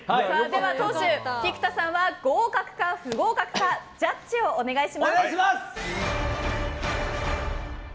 党首菊田さんは合格か不合格かジャッジをお願いします。